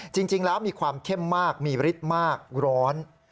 จริงแล้วมีความเข้มมากมีฤทธิ์มากร้อน